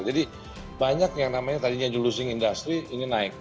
jadi banyak yang namanya tadinya julusin industri ini naik